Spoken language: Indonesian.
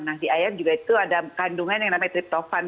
nah di ayam juga itu ada kandungan yang namanya triptofan